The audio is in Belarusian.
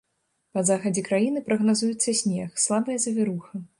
Па захадзе краіны прагназуецца снег, слабая завіруха.